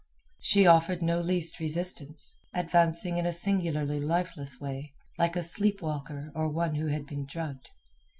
She offered no least resistance, advancing in a singularly lifeless way, like a sleep walker or one who had been drugged.